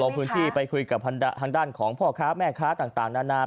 พื้นที่ไปคุยกับทางด้านของพ่อค้าแม่ค้าต่างนานา